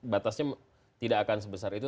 batasnya tidak akan sebesar itu